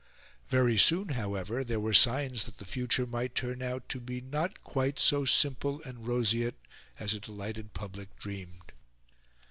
Very soon, however, there were signs that the future might turn out to be not quite so simple and roseate as a delighted public dreamed.